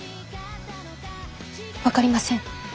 分かりません。